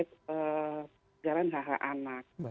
perkejaran hak hak anak